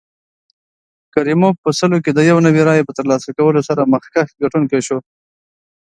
کریموف په سلو کې یو نوي رایې په ترلاسه کولو سره مخکښ ګټونکی شو.